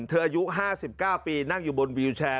อายุ๕๙ปีนั่งอยู่บนวิวแชร์